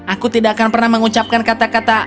aku tidak akan pernah mengucapkan kata kata